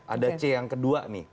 ada c yang kedua nih